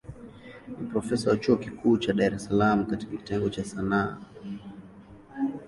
Ni profesa wa chuo kikuu cha Dar es Salaam katika kitengo cha Sanaa.